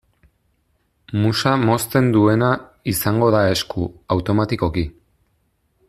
Musa mozten duena izango da esku, automatikoki.